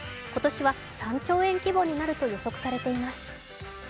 今年は３兆円規模になると予測されています。